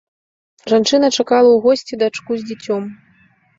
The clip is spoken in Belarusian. Жанчына чакала ў госці дачку з дзіцём.